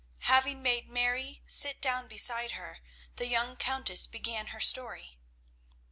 Having made Mary sit down beside her, the young Countess began her story.